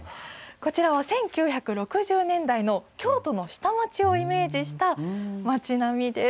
こちらは１９６０年代の京都の下町をイメージした町並みです。